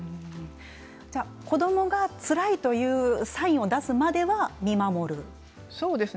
子どもが、つらいというサインを出すまでは見守るということですか？